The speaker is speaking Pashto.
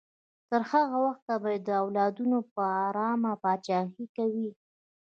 تر هغه وخته به د ده اولادونه په ارامه پاچاهي کوي.